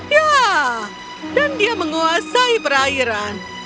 ya dan dia menguasai perairan